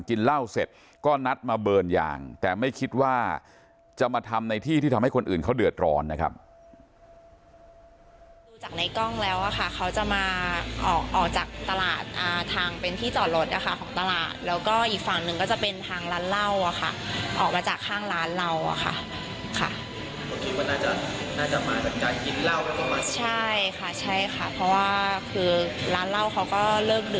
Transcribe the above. กินเหล้าเสร็จก็นัดมาเบิร์นยางแต่ไม่คิดว่าจะมาทำในที่ที่ทำให้คนอื่นเขาเดือดร้อนนะครับ